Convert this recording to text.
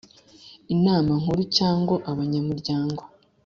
Inama Nkuru cyangwa abanyamuryango